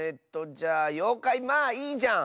じゃあ「ようかいまあいいじゃん」！